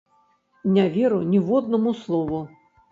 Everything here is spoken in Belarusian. Не веру ніводнаму слову!